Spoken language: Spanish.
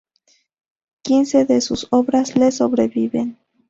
Quince de sus obras la sobreviven.